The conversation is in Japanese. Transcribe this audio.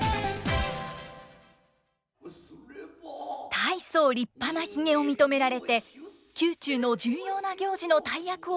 大層立派なひげを認められて宮中の重要な行事の大役を仰せつかった男。